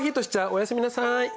おやすみなさい。